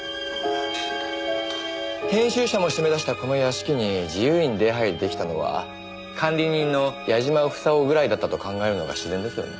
編集者も締め出したこの屋敷に自由に出入り出来たのは管理人の矢嶋房夫ぐらいだったと考えるのが自然ですよね？